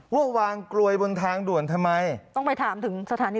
ว่าวางกลวยบนทางด่วนทำไมต้องไปถามถึงสถานี